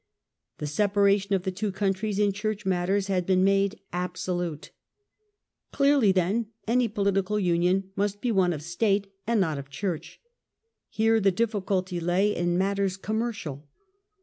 The separation of the two countries in church matters had been made abso lute. Clearly, then, any political union must be one of state and not of church. Here the difficulty lay in mat ters commercial.